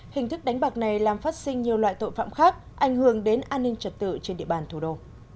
hình thức đánh bạc này làm phát sinh nhiều loại tội phạm khác ảnh hưởng đến an ninh trật tự trên địa bàn thủ đô